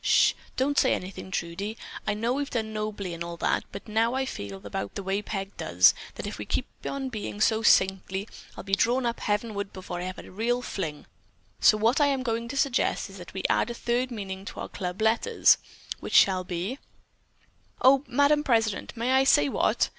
Shh! Don't say anything, Trudie! I know we've done nobly, and all that, but now I feel about the way Peg does, that if we keep on being so saintly, I'll be drawn up heavenward before I've had a real fling, so what I am going to suggest is that we add a third meaning to our club letters, which shall be——" "Oh, Madame President, may I say what?"